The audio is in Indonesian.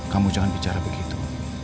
kamu jangan bicara begitu